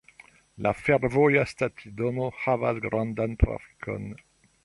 La fervoja stacidomo havas grandan trafikon.